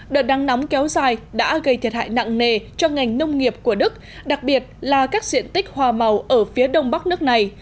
đợt nắng nóng kéo dài đã gây thiệt hại nặng nề cho ngành nông nghiệp của đức đặc biệt là các diện tích hoa màu ở phía đông bắc nước này